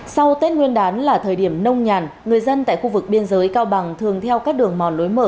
sau tết nguyên đán là thời điểm nông nhàn người dân tại khu vực biên giới cao bằng thường theo các đường mòn lối mở